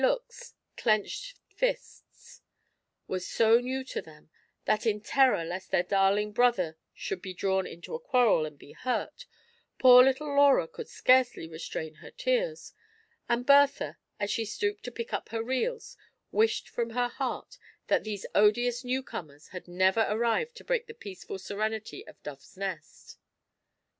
looks, clenched fists, was so new to them, that, in terror lest their darling brother should be drawn into a quarrel and be hurt, poor little Laura could scarcely restrain her tears, and Bertha, as she stooped to pick up her reels, wished from her heart that these odious new comers had never arrived to break the peaceftd serenity of Dove's Nest.